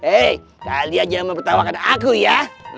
hei kalian jangan mempertawakan aku ya